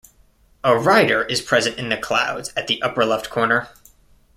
A rider is present in the clouds at the upper left corner.